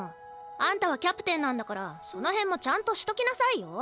あんたはキャプテンなんだからその辺もちゃんとしときなさいよ。